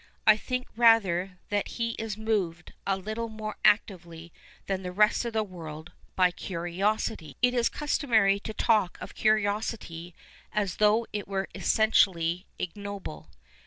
I think, rather, that he is moved, a little more actively than the rest of the world, by curiosity. 1813 PASTICHE AND PREJUDICE It is customary to talk of curiosity as though it were essentially ifjnoble.